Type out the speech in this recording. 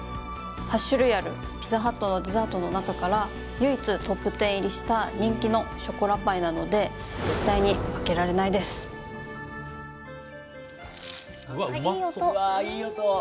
８種類あるピザハットのデザートの中から唯一ＴＯＰ１０入りした人気のショコラパイなのでうわっうまそううわ